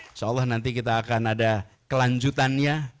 insya allah nanti kita akan ada kelanjutannya